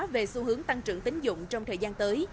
về xu hướng tăng trưởng tính dụng trong thời gian tới